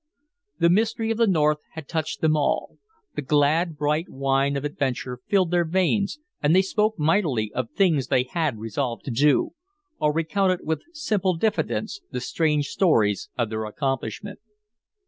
The mystery of the North had touched them all. The glad, bright wine of adventure filled their veins, and they spoke mightily of things they had resolved to do, or recounted with simple diffidence the strange stories of their accomplishment.